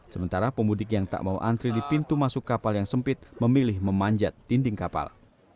sementara pemudik yang tak mau antri di pintu masuk kapal yang sempit memilih memanjat dinding kapal